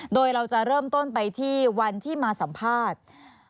โดยเราจะเริ่มต้นไปที่วันที่มาสัมภาษณ์